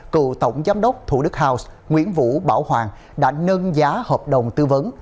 cựu tổng giám đốc thủ đức house nguyễn vũ bảo hoàng đã nâng giá hợp đồng tư vấn